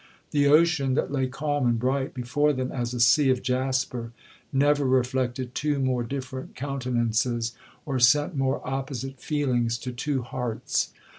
The ocean, that lay calm and bright before them as a sea of jasper, never reflected two more different countenances, or sent more opposite feelings to two hearts.